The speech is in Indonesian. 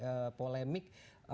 boleh jadi polemik